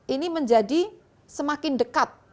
ini menjadi semakin dekat